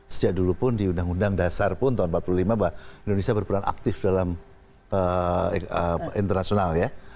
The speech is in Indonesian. sejak dulu pun di undang undang dasar pun tahun seribu sembilan ratus empat puluh lima bahwa indonesia berperan aktif dalam internasional ya